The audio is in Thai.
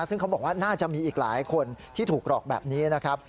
ซึ่งเขาบอกว่าน่าจะมีอีกหลายคนที่ถูกหลอกแบบนี้นะครับ